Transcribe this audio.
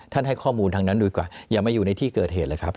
ให้ข้อมูลทางนั้นดีกว่าอย่ามาอยู่ในที่เกิดเหตุเลยครับ